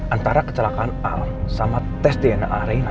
antara kecelakaan al sama tes dna arena